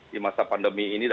di masa pandemi ini